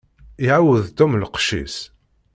Iɛawed Tom lqecc-is.